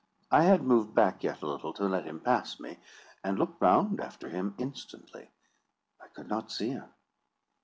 I had moved back yet a little to let him pass me, and looked round after him instantly. I could not see him.